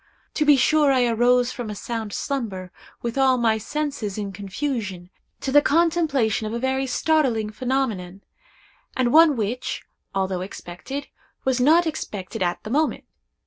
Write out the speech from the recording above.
To be sure I arose from a sound slumber, with all my senses in confusion, to the contemplation of a very startling phenomenon, and one which, although expected, was not expected at the moment.